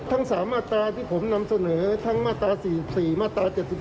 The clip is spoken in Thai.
ทั้ง๓มาตราที่ผมนำเสนอทั้งมาตรา๔๔มาตรา๗๔